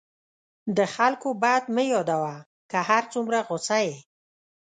د خلکو بد مه یادوه، که هر څومره غصه یې.